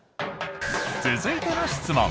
続いての質問。